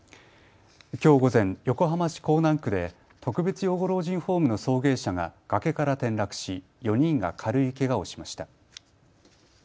きょう午前、横浜市港南区で特別養護老人ホームの送迎車が崖から転落し、４人が軽いけがをしました。